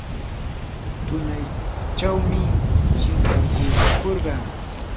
tunaychawmi shinkakuykurqaa.